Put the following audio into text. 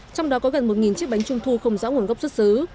trong đó có gần một chiếc bánh trung thu không rõ nguồn gốc xuất xứ